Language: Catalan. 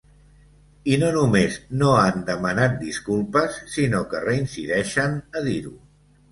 I no només no han demanat disculpes, sinó que reincideixen a dir-ho.